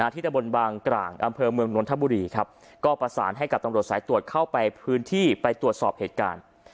ตะบนบางกลางอำเภอเมืองนนทบุรีครับก็ประสานให้กับตำรวจสายตรวจเข้าไปพื้นที่ไปตรวจสอบเหตุการณ์